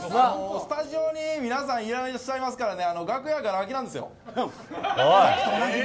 スタジオに皆さんいらっしゃいますから楽屋がら空きなんですよ。